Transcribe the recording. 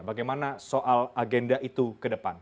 bagaimana soal agenda itu ke depan